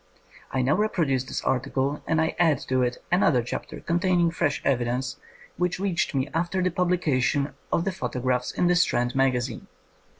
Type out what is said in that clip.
I now reproduce this article, and I add to it another chapter containing fresh evidence which reached me after the publi cation of the photographs in the Strand Magazine.